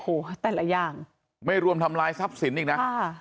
โอ้โหแต่ละอย่างไม่รวมทำลายทรัพย์สินอีกนะค่ะ